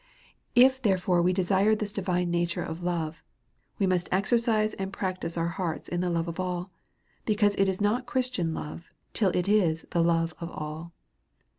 If therefore we desire this divine virtue of love, w& must exercise and practise our hearts in the love of all ; because it is not Christian love^tiil it is the love of all.